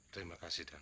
terima kasih den